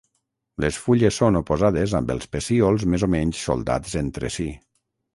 Les fulles són oposades amb els pecíols més o menys soldats entre si.